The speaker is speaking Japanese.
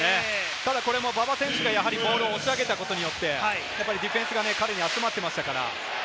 ただ馬場選手がボールを押し上げたことによってディフェンスが彼に集まっていましたから。